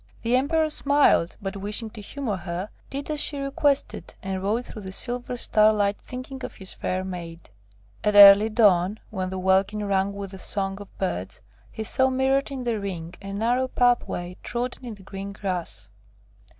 The Emperor smiled, but wishing to humour her, did as she requested, and rode through the silver starlight thinking of his fair maid. At early dawn, when the welkin rang with the song of birds, he saw mirrored in the ring a narrow pathway trodden in the green grass.